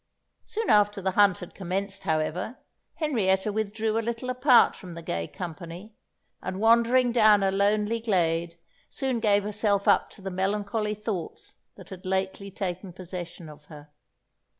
Soon after the hunt had commenced, however, Henrietta withdrew a little apart from the gay company, and wandering down a lonely glade, soon gave herself up to the melancholy thoughts that had lately taken possession of her.